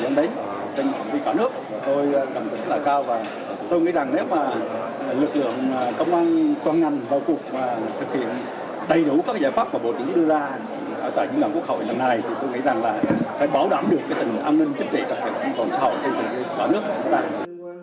trên quốc hội cả nước tôi cảm thấy rất là cao và tôi nghĩ rằng nếu mà lực lượng công an toàn ngành vào cuộc thực hiện đầy đủ các giải pháp mà bộ chính giới đưa ra tại những ngành quốc hội lần này thì tôi nghĩ rằng là phải bảo đảm được tầng an ninh chức trị và tầng cộng sở hữu trên tầng quốc hội cả nước